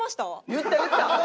言った言った。